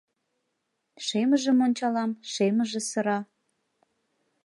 Шемыжым ончалам - шемыже сыра.